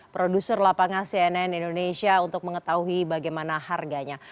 produser lapangan cnn indonesia untuk mengetahui bagaimana harganya